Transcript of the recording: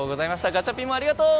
ガチャピンもありがとう！